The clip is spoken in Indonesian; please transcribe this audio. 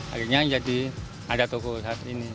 akhirnya jadi ada toko saat ini